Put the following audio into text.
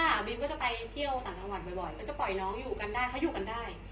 บีมก็จะไปเที่ยวต่างจังหวัดบ่อยก็จะปล่อยน้องอยู่กันได้เขาอยู่กันได้